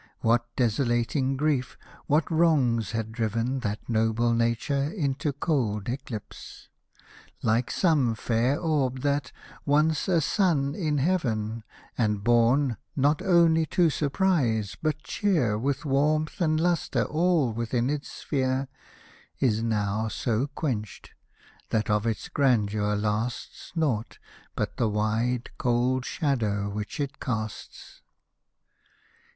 What desolating grief, what wrongs had driven That noble nature into cold eclipse ; Like some fair orb that, once a sun in heaven, Hosted by Google ON READING LORD BYRON S MEMOIRS 231 And born, not only to surprise, but cheer With warmth and lustre all within its sphere, Is now so quenched, that of its grandeur lasts Nought, but the wide, cold shadow which it casts